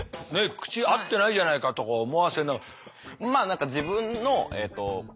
口合ってないじゃないかとか思わせながら。